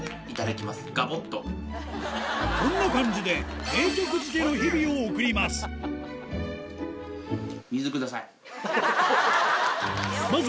こんな感じで、名曲漬けの日々を送ります。